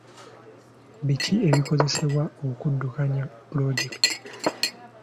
Biki ebikozesebwa okuddukanya pulojekiti?